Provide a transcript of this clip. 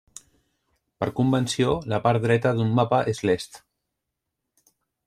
Per convenció, la part dreta d'un mapa és l'est.